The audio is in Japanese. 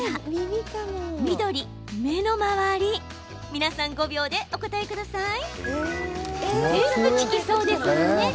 皆さん、５秒でお答えください。